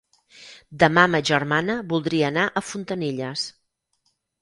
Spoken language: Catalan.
Demà ma germana voldria anar a Fontanilles.